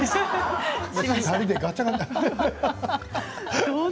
２人でガチャガチャ。